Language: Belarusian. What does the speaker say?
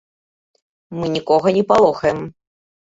Мы нікога не палохаем.